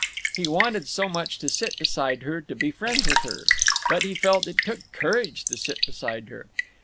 He wanted so much to sit beside her, to be friends with her. But, he felt, it took courage to sit beside her.